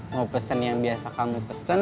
mau pesen yang biasa kamu pesen